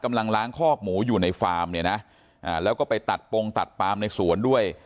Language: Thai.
กำลังล้างคอกหมูอยู่ในฟาร์มเนี่ยนะแล้วก็ไปตัดโปรงตัดปามในสวนด้วย